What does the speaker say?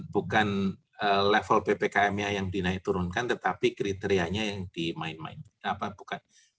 bukan level ppkm nya yang dinaik turunkan tetapi kriterianya yang dimainkan